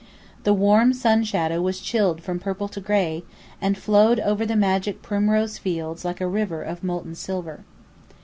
The warm sun shadow was chilled from purple to gray, and flowed over the magic primrose fields like a river of molten silver.